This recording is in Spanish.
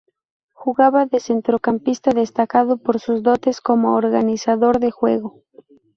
Jugaba de centrocampista, destacando por sus dotes como organizador de juego.